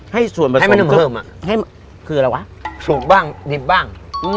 ให้ส่วนมาสมก็คืออะไรวะสูบบ้างดิบบ้าง